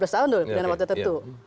dua belas tahun dulu pidana waktu tertentu